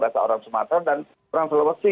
bahasa orang sumatera dan orang sulawesi